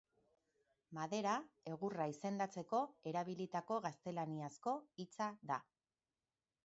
Madera egurra izendatzeko erabilitako gaztelaniazko hitza da.